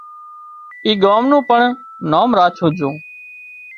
اي ڳام نُون پڻ نام راڇوُن جھون